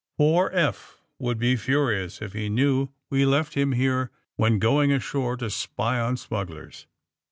'^Poor Eph would be furious if he knew we left him here when going ashore to spy on smug glers."